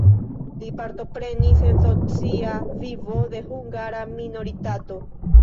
Li partoprenis en socia vivo de hungara minoritato.